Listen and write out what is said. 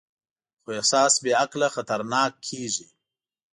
خو احساس بېعقله خطرناک کېږي.